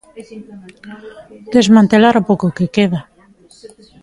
Desmantelar o pouco que queda.